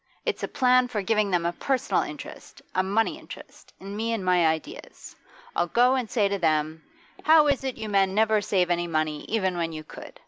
It's a plan for giving them a personal interest, a money interest, in me and my ideas. I'll go and say to them, "How is it you men never save any money even when you could?